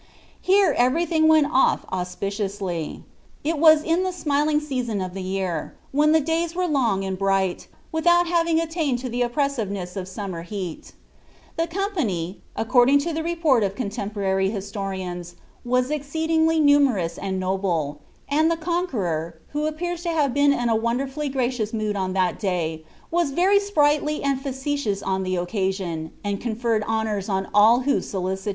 Here everything went off auspiciously. Ii was in the smiling season of the year, when the days were long and bright, without having attained to the oppressiveness of summer lieaL The company, according to the report of contemporary historians, wM exceedingly numerous and noble ; and the Conqueror, who a|ipt«is to have li««n in a wonderfully gracious mood on that day, was very sprii^d* snd facetious on the occasion, and conferred favours on all whosolicilM.